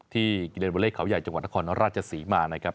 ที่เกลียนเวลเลสคราวใหญ่จังหวัดนครราชสีหม่ายนะครับ